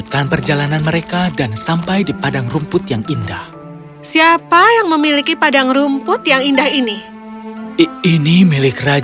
siapa yang memiliki padang rumput yang indah ini